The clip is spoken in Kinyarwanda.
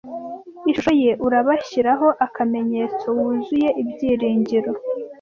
Ishusho ye. Urabashyiraho akamenyetso, wuzuye ibyiringiro,